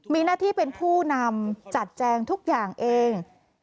มีหน้าที่เป็นผู้นำจัดแจงทุกอย่างเอง